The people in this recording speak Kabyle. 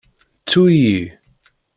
Ttu-iyi.